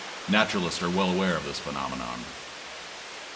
Naturalists are well aware of this phenomenon.